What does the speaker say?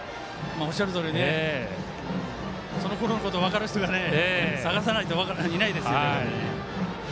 おっしゃるとおりそのころのことを分かる人は探さないといないですよね。